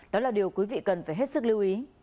đó là điều quý vị cần phải hết sức lưu ý